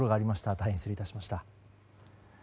大変失礼いたしました。